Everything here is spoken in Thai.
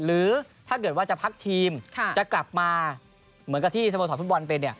หรือถ้าเกิดว่าจะพักทีมจะกลับมาเหมือนกับที่สโมสรฟุตบอลเป็น